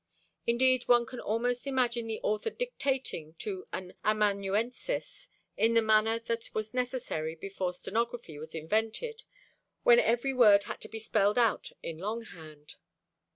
Indeed, one can almost imagine the author dictating to an amanuensis in the manner that was necessary before stenography was invented, when every word had to be spelled out in longhand.